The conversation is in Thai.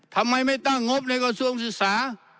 ทำไมไม่ตั้งงบในกระทรวงศึกษา